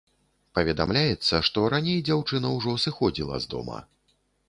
Паведамляецца, што раней дзяўчына ўжо сыходзіла з дома.